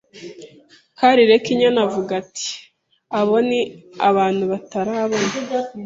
Karirekinyana avuga ati: "Abo ni abantu batarabona